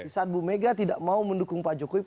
saat bu mega tidak mau mendukung pak jokowi